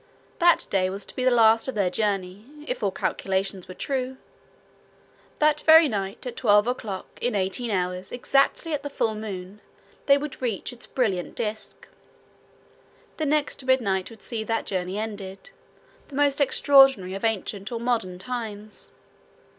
That day was to be the last of their journey, if all calculations were true. That very night, at twelve o'clock, in eighteen hours, exactly at the full moon, they would reach its brilliant disc. The next midnight would see that journey ended, the most extraordinary of ancient or modern times.